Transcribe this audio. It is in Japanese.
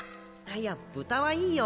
いや豚はいいよ。